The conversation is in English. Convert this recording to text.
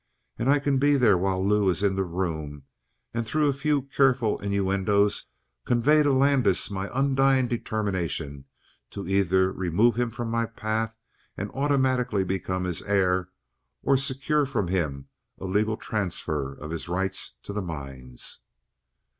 And I can be there while Lou is in the room and through a few careful innuendoes convey to Landis my undying determination to either remove him from my path and automatically become his heir, or else secure from him a legal transfer of his rights to the mines."